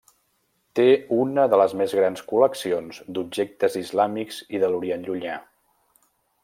Té una de les més grans col·leccions d'objectes islàmics i de l'Orient Llunyà.